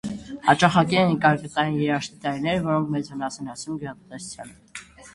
Հաճախակի են կարկտային, երաշտի տարիները, որոնք մեծ վնաս են հասցնում գյուղատնտեսությանը։